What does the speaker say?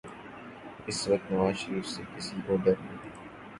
اس وقت نواز شریف سے کسی کو ڈر نہیں۔